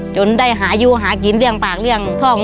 จนได้อายุหากินเลี่ยงปากเลี่ยงท่อง